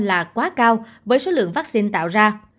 là quá cao với số lượng vaccine tạo ra